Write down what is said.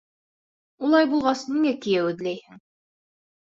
Улай булғас, ниңә кейәү эҙләйһең?